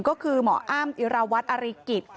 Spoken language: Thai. ก็คือหมออ้ำอิราวัตรอริกิจ